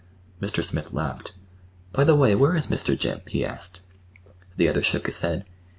Mr. Smith laughed. "By the way, where is Mr. Jim?" he asked. The other shook his head.